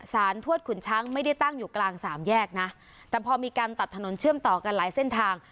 ทวดขุนช้างไม่ได้ตั้งอยู่กลางสามแยกนะแต่พอมีการตัดถนนเชื่อมต่อกันหลายเส้นทาง